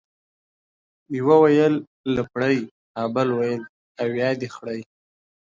يوه ويل لپړى ، ها بل ويل ، اويا دي خړيه.